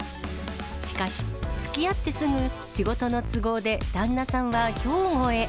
しかし、つきあってすぐ、仕事の都合で旦那さんは兵庫へ。